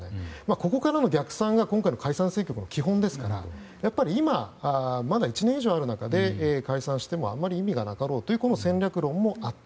ここからの逆算が解散・総選挙での基本ですからやっぱり今まだ１年以上ある中で今、解散してもあまり意味がないだろうという戦略論もあった。